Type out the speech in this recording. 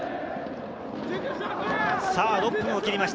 ６分を切りました。